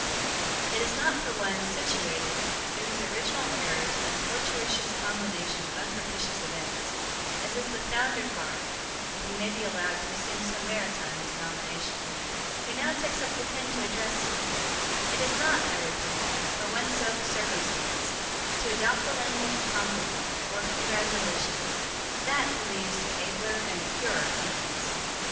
'It is not for one, situated, through his original errors and a fortuitous combination of unpropitious events, as is the foundered Bark (if he may be allowed to assume so maritime a denomination), who now takes up the pen to address you it is not, I repeat, for one so circumstanced, to adopt the language of compliment, or of congratulation. That he leaves to abler and to purer hands.